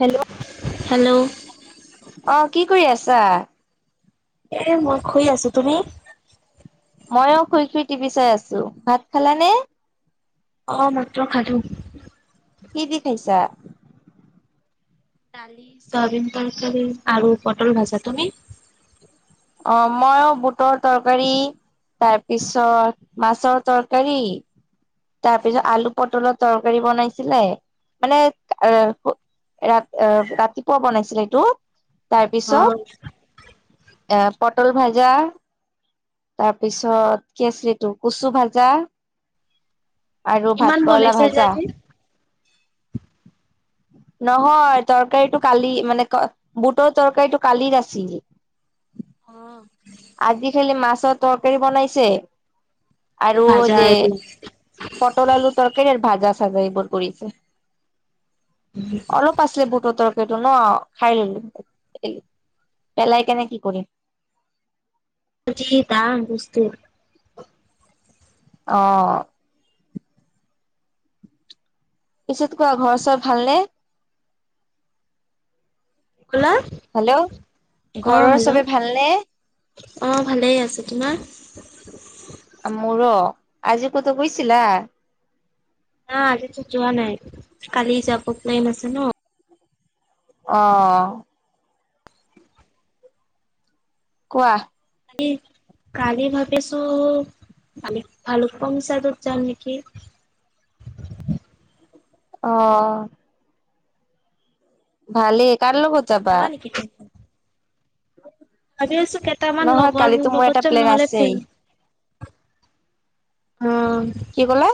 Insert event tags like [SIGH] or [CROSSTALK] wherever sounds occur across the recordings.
Hello! Hello! অ'! কি কৰি আছা? এ, মই শুই আছোঁ। তুমি? মইয়ো শুই শুই টিভি চাই আছোঁ। ভাত খালানে? অ'! ভাতটো খালোঁ। কি দি খাইছা? দালি, চয়াবিন তৰকাৰী আৰু পটল ভাজা। তুমি? অ'! মইয়ো বুটৰ তৰকাৰী। তাৰপিছত, মাছৰ তৰকাৰী। তাৰপিছত, আলু পটলৰ তৰকাৰী বনাইছিলে মানে ৰা আঁ ৰাতিপুৱা বনাইছিলে এইটো। অ তাৰপিছত এ পটল ভাজা তাৰপিছত, কেচৰিটো কচু ভাজা। আৰু ইমান ভাতকৰলা বনাইছে যে ভাজা। আজি নহয়। তৰকাৰীটো কালি, মানে, বুটৰ তৰকাৰীটো কালিৰ আছিল। [INAUDIBLE] অ'! আজি খালি মাছৰ তৰকাৰী বনাইছে। আৰু ভাজা যে এইবিলাক পটল, আলু তৰকাৰী ভাজা আছে। চাগে এইবোৰ কৰিছে। অলপ আছিল বুটৰ তৰ এইটো ন'? খাই ললোঁ, এ পেলাই কেনে কি কৰিম। যি দাম বস্তুৰ। অ'! পিছত কোৱা ঘৰ চৰ ভালনে? কি ক'লা? হেল্ল' অ'! ঘৰৰ চবে হেল্ল'! ভালনে অ'! ভালেই আছোঁ। তোমাৰ? মোৰো আজি ক'তো গৈছিলা? নাই, আজিতো যোৱা নাই। কালি যাব প্লেইন আছে ন? অ'! কোৱা? [UNINTELLIGIBLE] কালি ভাবিছোঁ! আমি ভালুক পুং চাইডত যাম নেকি। [INAUDIBLE] অ'! ভালেই। কাৰ লগত যাবা? নেকি তুমি ভাবি আছোঁ, কেইটামান নহয় লগৰ কালিতো মোৰ লগত এটা যাম প্লেন নহ'লে আছেই [UNINTELLIGIBLE] অ কি ক'লে?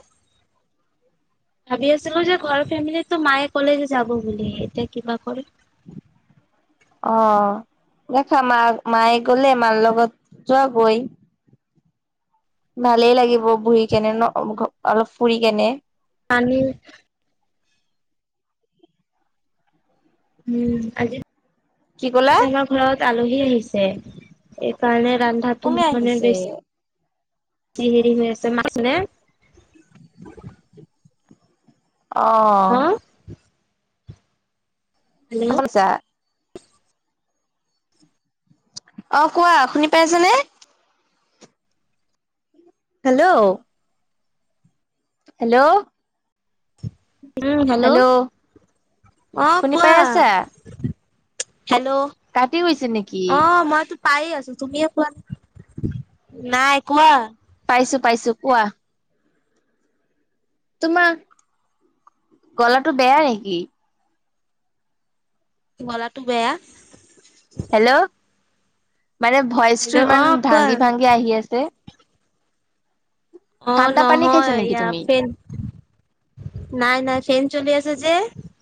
ভাবি আছিলোঁ! যে ঘৰৰ ফেমিলিতো মায়ে ক'লে যে যাব বুলি, এতিয়া কিবা কৰে? অ'! [UNINTELLIGIBLE] মা মায়ে ক'লে মাৰ লগত যোৱা গৈ ভালেই লাগিব বহি কেনে ন'। অলপ ফুৰি কেনে। [UNINTELLIGIBLE] উম! আজি [INAUDIBLE] আমাৰ ঘৰত আলহী আহিছে। এইকাৰণে, ৰন্ধাটো কোনে মানে আহিছে বেছি কি হেৰি হৈ আছে। মাছনে? অ। হেল্ল' [UNINTELLIGIBLE] অ কোৱা শুনি পাইছনে? হেল্ল'। হেল্ল'। উম হেল্ল' অ শুনি পাই কোৱা। আছা হেল্ল' কাটি গৈছে নেকি অ মই পায় আছো তুমিয়ে কোৱা নাই। নাই কোৱা। পাইছো পাইছো কোৱা। তোমাৰ গলাটো বেয়া নেকি? গলাটো বেয়া। হেল্ল'। মানে ভইচ টো হেল্ল' ইমান অ কোৱা ভাঙি ভাঙি আহি আছে। অ ঠাণ্ডা পানী খাইছা নহয় নেকি ইাৰ তুমি ফে নাই নাই ফেন চলি আছে যে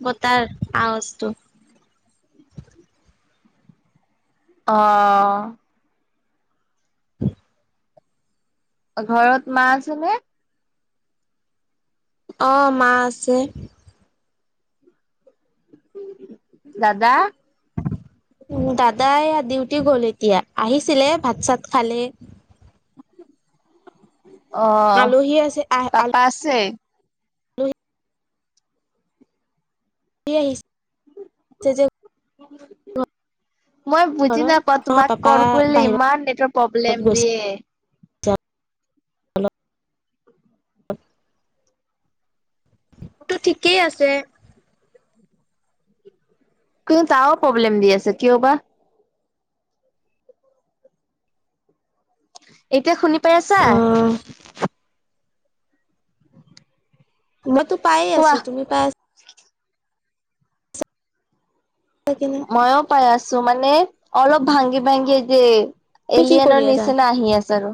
বতাৰ আৱাজটো। অ। [INAUDIBLE] ঘৰত মা আছে নে অ মা আছে দাদা উ দাদাই ডিউটি গ'ল এতিয়া আহিছিলে ভাত চাত খালে অ আলহী আছে আহ পাপা আছে আলহী [UNINTELLIGIBLE] [UNINTELLIGIBLE] মই ঘৰত বুজি নাপাওঁ নহয় তোমাক পাপা কল কৰিলে বাহিৰত ইমান নেটৰ প্ৰব্লেম গৈছে দিয়ে। [UNINTELLIGIBLE] টো ঠিকেই আছে কিন্তু তাও প্ৰব্লেম দি আছে কিয় বা এতিয়া শুনি পাই আছা। অ', মইতো পায়ে কোৱা আছো তুমি পাই আছা। কি নাই? ময়ো পাই আছো মানে অলপ ভাঙি ভাঙি যে তুমি কি এলিয়েনৰ কৰি আছা? নিচিনা আহি আছে আৰু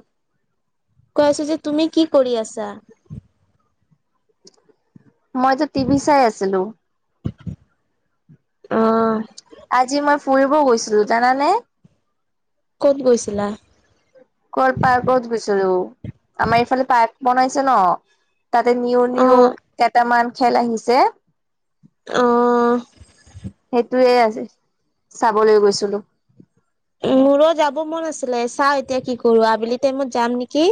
কৈ আছো যে তুমি কি কৰি আছা মইতো টিভি চাই আছিলো অ আজি মই ফুৰিব গৈছিলো জানানে কত গৈছিলা কল পাৰ্কত গৈছিলো আমাৰ এইফালে পাৰ্ক বনাইছে ন। তাতে নিও নিও অ', কেইটামান খেল আহিছে। অ', সেইটোৱে আ চাবলৈ গৈছিলো। মোৰো যাব মন আছিলে চাও এতিয়া কি কৰো আবেলি টাইমত যাম নেকি।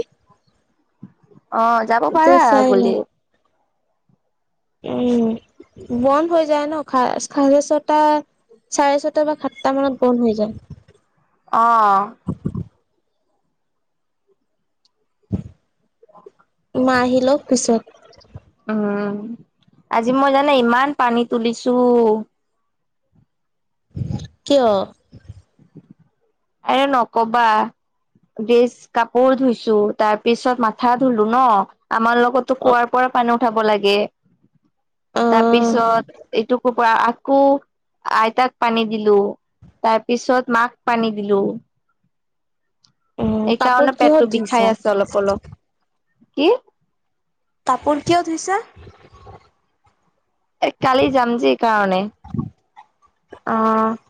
অ যাব এতিয়া পাৰা চাই লওঁ গলে উম বন্ধ হৈ যায় ন চা চাৰে ছটাত চাৰে ছটা বা সাতটা মানত বন্ধ হৈ যায় অ [UNINTELLIGIBLE] [UNINTELLIGIBLE] মা আহিলক পিছত উম আজি মই জানে ইমান পানী তুলিছো। কিয়? এ নকবা ড্ৰেছ কাপোৰ ধুইছো তাৰ পিছত মাথা ধুলো ন আমাৰ লগতো অ কুঁৱাৰ পৰা পানী উঠাব লাগে অ তাৰপিছত এইটো কো পৰা আ কো আইতাক পানী দিলো তাৰ পিছত মাক পানী দিলো। উম কাপোৰ এইকাৰণে কিহত পেটটো ধুইছা বিষাই আছে অলপ অলপ কি। কাপোৰ কিয় ধুইছা? এই কালি যাম যে এই কাৰণে। অ।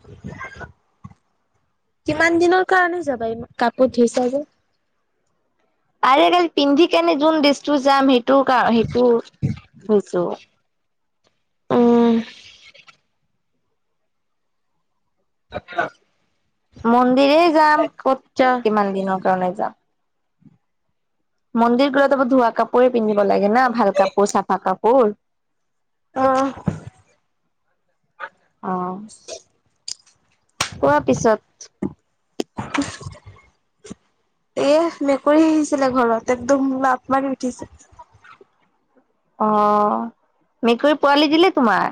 কিমান দিনৰ কাৰণে যাবা ই কাপোৰত ধুইছা যে আৰেৰে পিন্ধি কেনে যোন ড্ৰেছটো যাম সেইটো সেইটো সেইটো কৈছোঁ। উম। [UNINTELLIGIBLE] মন্দিৰে যাম ক'ত কিয় কিমান দিনৰ কাৰণে যাম মন্দিৰ গলে ত ধোৱা কাপোৰেই পিন্ধিব লাগে না ভাল কাপোৰ চাফা কাপোৰ। অ অ। হোৱা পিছত [INAUDIBLE] এ মেকুৰী আহিছিলে ঘৰত একদম মাপ মাৰি উঠিছে। অ মেকুৰী পোৱালি দিলে তোমাৰ?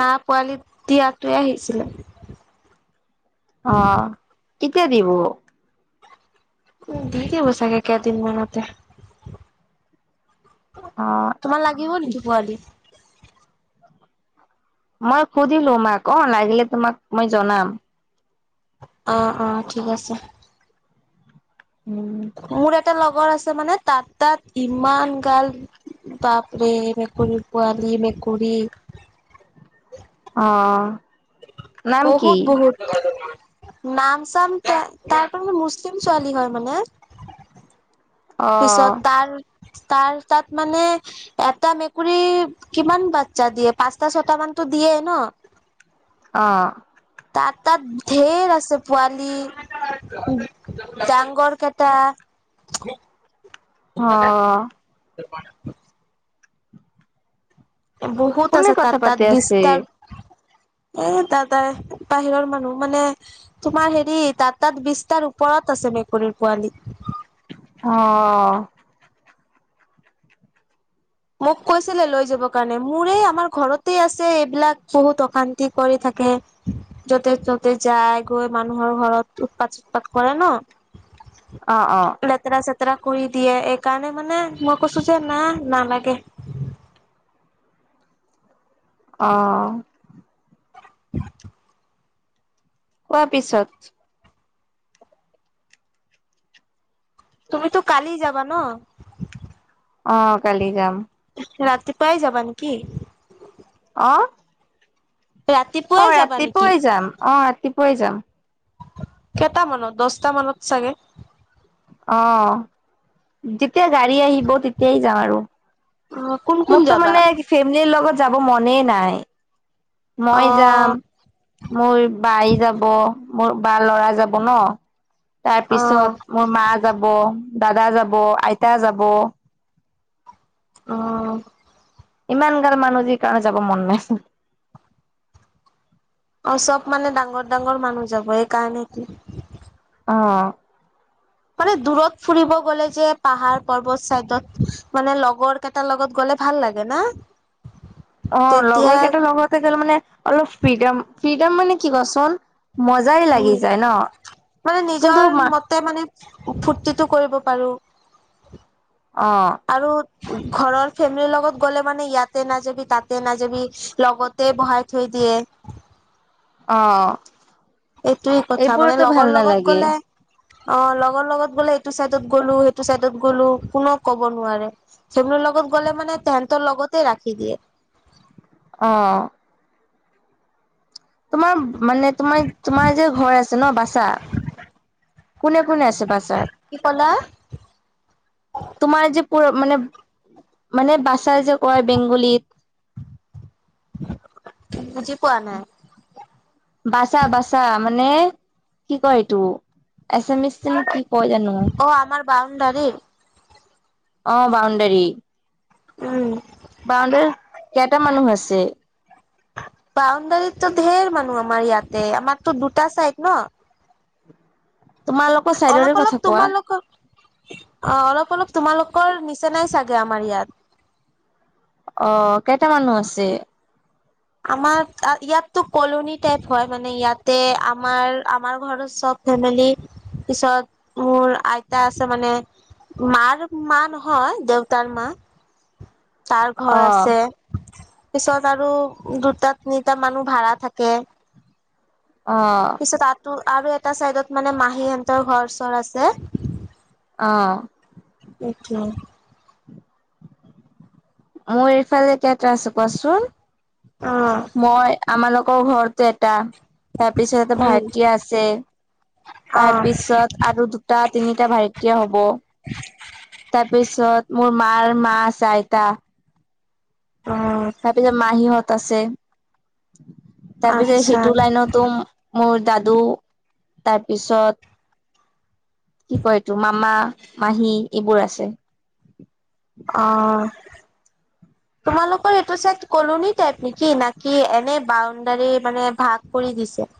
না পোৱালি দিয়াটোৱে আহিছিলে অ কেতিয়া দিব? উ ধে ব চাকে কেইদিন মনতে অ'। [UNINTELLIGIBLE] তোমাৰ লাগিব নেকি পোৱালি? মই সুধিলো মাক অ লাগিলে তোমাক মই জনাম। অ অ ঠিক আছে উম, মোৰ এটা লগৰ আছে মানে তাত তাত ইমান গাল বাপৰে মেকুৰী পোৱালি মেকুৰী। আহ। বহুত বহুত নাম চাম তাৰপ [UNINTELLIGIBLE] চিম ছোৱালী হয় মানে। অ' পিছত তাৰ তাৰ তাত মানে এটা মেকুৰী কিমান বাচ্ছা দিয়ে পাঁচটা ছটা মানতো দিয়ে ন। আহ, তাত তাত ঢেৰ আছে পোৱালি ডাঙৰ কেইটা [INAUDIBLE] অ, [INAUDIBLE] বহুত কোনে আছে তাত কথা তাত পাতি আছে বিস্তাৰ এ দ তাই বাহিৰৰ মানুহ মানে তোমাৰ হেৰি তাত তাত বিছ তাৰ ওপৰত আছে মেকুৰীৰ পোৱালি অ। মোক কৈছিলে লৈ যাব কাৰণে মোৰে আমাৰ ঘৰতে আছে এইবিলাক বহুত অশান্তি কৰি থাকে। য'তে ত'তে যায় গৈ মানুহৰ ঘৰত উৎপাত চুটপাত কৰে ন। অ অ। যা কৰি দিয়ে এইকাৰণে মানে মই কৈছো যে না নালাগে অ [INAUDIBLE] কোৱাৰ পিছত তুমিতো কালি যাবা ন অ কালি যাম ৰাতিপুৱাই যাবা নেকি? আহ অ ৰাতিপুৱাই যাবা নেকি? ৰাতিপুৱাই যাম অ ৰাতিপুৱাই যাম। কেইটামানত দহটা মানত চাগে। অ যেতিয়া গাড়ী আহিব তেতিয়াই যাম আৰু অ কোন কোন মোৰতো যাবা? মানে ফেমিলিৰ লগত যাব মনে নাই অ মই যাম মোৰ বাই যাব মোৰ বা লৰা যাব ন তাৰ অ পিছত মোৰ মা যাব দাদা যাব আইতা যাব অ ইমান গাল মানুহ যি কাৰণে যাব মন নাইছিল। অ চব মানে ডাঙৰ ডাঙৰ মানুহ যাব সেইকাৰণে কি। অ। মানে দূৰত ফুৰিব গ'লে যে পাহাৰ পৰ্বত চাইডত মানে লগৰ কেইটাৰ লগত গ'লে। ভাল লাগে না। অ তেতিয়া লগৰ কেইটাৰ লগৰতে গ'লে মানে অলপ ফ্ৰীডম ফ্ৰীডম মানে কি কচোন। মজাই উম লাগি যায় ন' মানে কিন্তু নিজৰ মা মতে মানে। ফূৰ্তিটো কৰিব পাৰিম। অ। ঘৰৰ ফেমিলিৰ লগত গ'লে মানে ইয়াতে নাযাবি তাতে নাযাবি লগতে বহাই থৈ। দিয়ে। অহ। এইটোয়েই কথা মানে লগৰ লগত গলে অ লগৰ লগত। গলে এইটো চাইডত গ'লো সেইটো চাইডত গ'লো কোও কব নোৱাৰে সেইবোৰ লগত গ'লে মানে তে। ত লগতে ৰাখি দিয়ে। অহ। তোমাৰ মানে তোমাৰ তোমাৰ যে ঘৰ আছে ন বাচা। কোনে কোনে আছে কি ক'লা বছাত তোমাৰ যে। প মানে মানে বাচাই যে কয় বেংগলীত বুজি পোৱা নাই বাচা বাচা মানে কি কয় এইটো এছা মিছ ছে কি কয় জানো। দাৰি অ বউণ্ডাৰী উম কেইটা মানুহ আছে? বাউণ্ডাৰীতো ঢেৰ মানুহ আমাৰ ইয়াতে আমাৰতো দুটা চাইড ন তোমালোকৰ চাইডৰে অলপ অলপ কথা কোৱা তোমালোকৰ অ অলপ অলপ তোমালোকৰ নিচ চেনাই চাগে আমাৰ ইয়াত অ কেইটা মানুহ আছে। আমাৰ ইয়াততো কলনি টাইপ হয় মানে ইয়াতে আমাৰ। আমাৰ ঘৰত চব ফেমিলি পিছত মোৰ আইতা আছে মানে। মাৰ মা নহয় দেউতাৰ মা তাৰ ঘৰ অ আছে পিছত আৰু দুটা নি এটা মানুহ ভাড়া থাকে। অ পিছত আৰু আৰু এটা চাইডত মানে, মাহী হতৰ ঘৰ চৰ আছে। অঁ। অওকে [UNINTELLIGIBLE] মোৰ এইফালে কেইটা আছো কোৱাচোন অ মই আমাৰ লগ [UNINTELLIGIBLE] আকৌ ঘৰটো এটা তাৰপিছত উম ভাইটি আছে [UNINTELLIGIBLE] অ তাৰপিছত আৰু দুটা তিনিটা ভাইটীয়ে হ'ব [UNINTELLIGIBLE] তাৰপিছত মোৰ মাৰ মা চইতা। অ তাৰপিছত মাহীহঁত আছে। তাৰপিছত আচ্ছা সিটো লাইনতো মোৰ দাদু তাৰপিছত। কি কয়টো মামা মাহী এইবোৰ আছে। অঁ। উম। তোমালোকৰ এইটো চাইড কলনি টাইপ নেকি, নাকি এনে বাউণ্ডাৰী মানে ভাগ কৰি দিছে।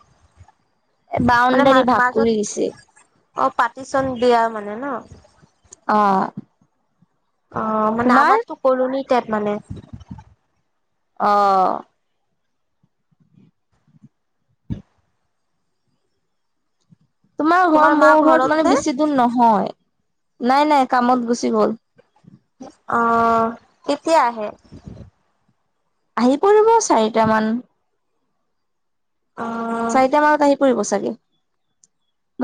মানে মা বাউণ্ডাৰী ভাগ মাজত কৰি দিছে। অ পাতিচোন বিয়া মানে ন। অঁ। অ, মানে আমাৰতো কলনিট মানে। অ। তোমাৰ ঘৰ মোৰ ঘৰত মানে বেছি দূৰ নহয়। নাই নাই কামত গুচি গ'ল। অ কেতিয়া আহে? আহি পৰিব চাৰিটামান অ চাৰিটা মানত আহি পৰিব চাগে?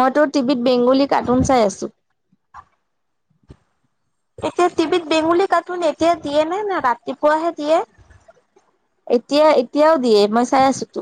মইতো টিভিত বেংগলী কাৰ্টুন চাই আছো। এতিয়া টিভিত বেঙুলী কাৰ্টুন এতিয়া দিয়ে নে? নে ৰাতিপুৱাহে দিয়ে। এতিয়া এতিয়াও দিয়ে মই চাই আছো তো।